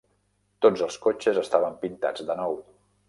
Tots els cotxes estaven pintats de nou.